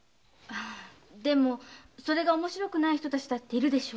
でもそれが面白くない人たちだっているでしょ？